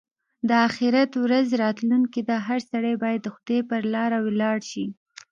د اخيرت ورځ راتلونکې ده؛ هر سړی باید د خدای پر لاره ولاړ شي.